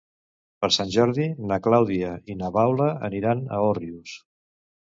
Per Sant Jordi na Clàudia i na Paula iran a Òrrius.